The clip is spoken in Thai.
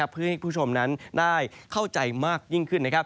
เพื่อให้คุณผู้ชมนั้นได้เข้าใจมากยิ่งขึ้น